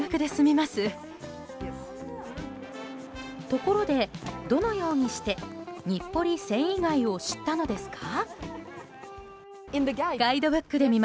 ところで、どのようにして日暮里繊維街を知ったのですか。